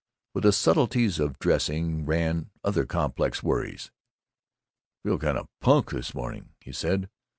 With the subtleties of dressing ran other complex worries. "I feel kind of punk this morning," he said.